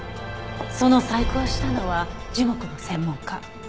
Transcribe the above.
その細工をしたのは樹木の専門家。